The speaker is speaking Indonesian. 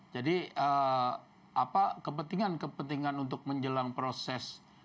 jadi apa kepentingan kepentingan untuk menjelang proses